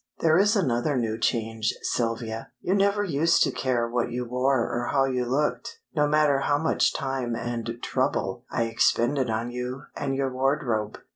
"There is another new change, Sylvia. You never used to care what you wore or how you looked, no matter how much time and trouble I expended on you and your wardrobe.